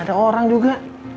ada orang juga